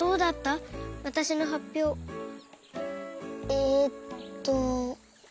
えっと。